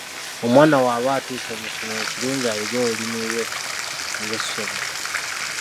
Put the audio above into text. Omwana bw’aba atuuse mu ssomero kirungi ayige olulimi lwe ng’essomo.